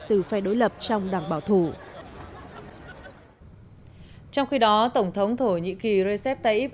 từ phe đối lập trong đảng bảo thủ trong khi đó tổng thống thổ nhĩ kỳ recep tayyip